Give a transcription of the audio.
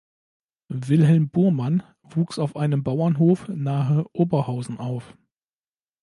Wilhelm Burmann wuchs auf einem Bauernhof nahe Oberhausen auf.